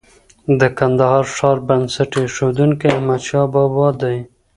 د کندهار ښار بنسټ ايښونکی احمد شاه بابا دی